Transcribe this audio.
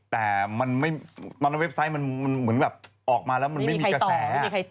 แต่ตอนนั้นเว็บไซต์มันเหมือนแบบออกมาแล้วมันไม่มีกระแส